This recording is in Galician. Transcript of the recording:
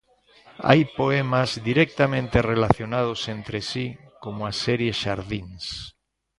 Hai poemas directamente relacionados entre si, como a serie "xardíns".